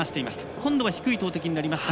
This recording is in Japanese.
今度は低い投てきになりました。